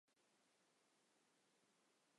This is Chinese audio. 因为鹰潭在江西省算是个体育弱市。